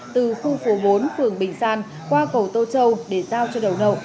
từ khu phố bốn phường bình san qua cầu tô châu để giao cho đầu nậu